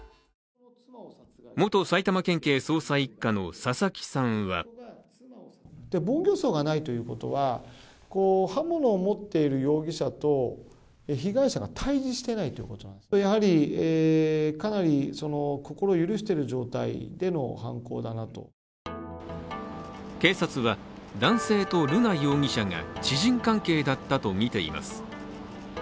元埼玉県警捜査一課の佐々木さんは警察は男性と瑠奈容疑者が知人関係だったとみています。